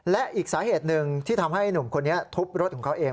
และอีกสาเหตุหนึ่งที่ทำให้หนุ่มคนนี้ทุบรถของเขาเอง